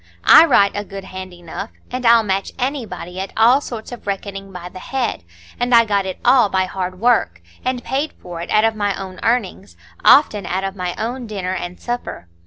"I write a good hand enough, and I'll match anybody at all sorts of reckoning by the head; and I got it all by hard work, and paid for it out of my own earnings,—often out of my own dinner and supper.